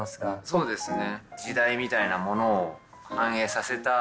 そうですね。